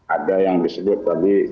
ada yang disebut tadi